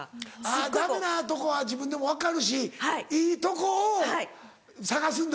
ダメなとこは自分でも分かるしいいとこを探すんだ。